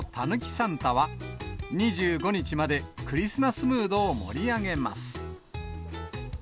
サンタは、２５日までクリスマスムードを盛り上げます。